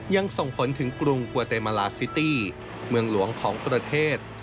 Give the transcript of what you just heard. ยังส่งผลถึงกรุงกวาเตมาลาซิตี้เมืองหลวงของประเทศ